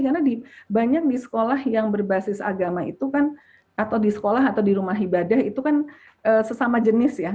karena di banyak di sekolah yang berbasis agama itu kan atau di sekolah atau di rumah ibadah itu kan sesama jenis ya